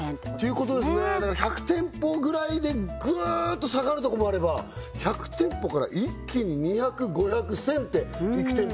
ていうことですねだから１００店舗ぐらいでぐーっと下がるとこもあれば１００店舗から一気に２００５００１０００っていく店舗